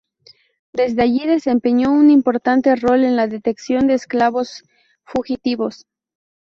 Desde allí desempeñó un importante rol en la detección de esclavos fugitivos.